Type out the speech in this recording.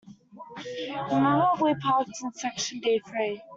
Remember we parked in section D three.